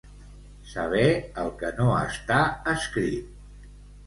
Saber el que no està escrit.